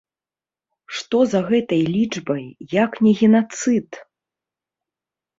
Што за гэтай лічбай, як не генацыд?